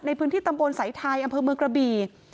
ในพื้นที่ตำบลสายไทยอำเภอเมืองกระบี่